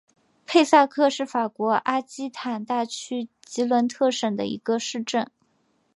佩萨克是法国阿基坦大区吉伦特省的一个市镇。